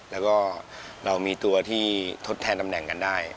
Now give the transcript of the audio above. แล้วก็เรามีตัวที่ทดแทนตำแหน่งกันได้